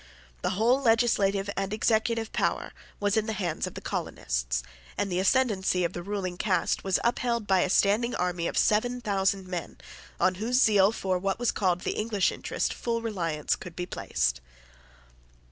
The whole legislative and executive power was in the hands of the colonists; and the ascendency of the ruling caste was upheld by a standing army of seven thousand men, on whose zeal for what was called the English interest full reliance could be placed.